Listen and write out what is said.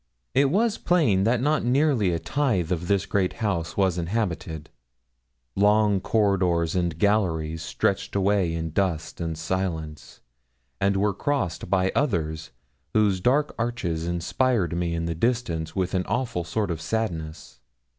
It was plain that not nearly a tithe of this great house was inhabited; long corridors and galleries stretched away in dust and silence, and were crossed by others, whose dark arches inspired me in the distance with an awful sort of sadness.